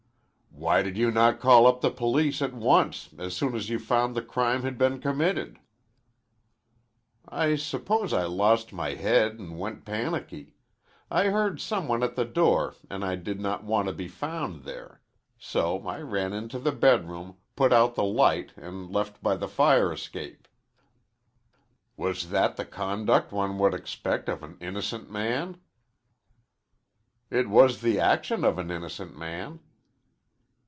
"Why did you not call up the police at once, as soon as you found the crime had been committed?" "I suppose I lost my head an' went panicky. I heard some one at the door, an' I did not want to be found there. So I ran into the bedroom, put out the light, an' left by the fire escape." "Was that the conduct one would expect of an innocent man?" "It was the action of an innocent man."